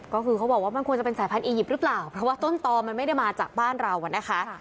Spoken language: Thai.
ก็คือเขาบอกว่ามันควรจะเป็นสายพันธ์อียิปต์หรือเปล่าเพราะว่าต้นตอมันไม่ได้มาจากบ้านเราอ่ะนะคะ